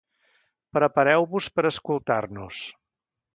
Prepareu-vos per escoltar-nos.